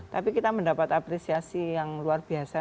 tapi kita mendapat apresiasi yang luar biasa